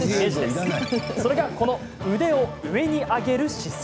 それがこの腕を上に上げる姿勢。